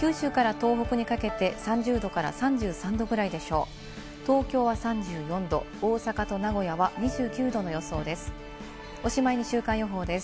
東京は３４度、大阪と名古屋は２９度の予想です。